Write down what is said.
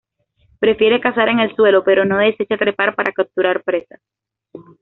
Prefiere cazar en el suelo, pero no desecha trepar para capturar presas.